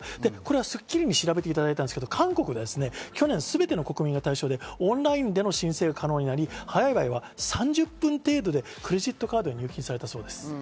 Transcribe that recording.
『スッキリ』に調べていただいたんですけど、韓国で去年、すべての国民を対象にオンラインでの申請が可能になり早い場合は３０分程度でクレジットカードなどに入金されたそうです。